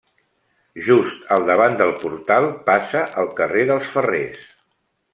Just al davant del portal passa el carrer dels Ferrers.